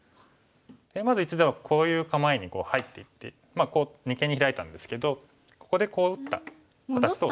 テーマ図１ではこういう構えに入っていって二間にヒラいたんですけどここでこう打った形と。